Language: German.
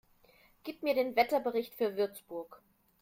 Gib mir den Wetterbericht für Würzburg